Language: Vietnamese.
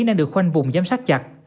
đang được khoanh vùng giám sát chặt